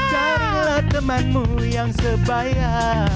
carilah temanmu yang sebaya